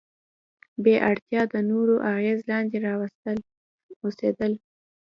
بې اړتیا د نورو اغیز لاندې اوسېدل.